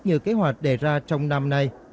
như kế hoạch đề ra trong năm nay